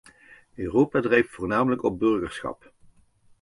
Europa drijft voornamelijk op burgerschap.